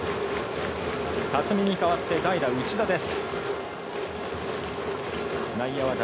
辰己に代わって代打、内田です。